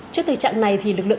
trước thời trạng này lực lượng